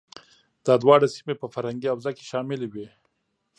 دا دواړه سیمې په فرهنګي حوزه کې شاملې وې.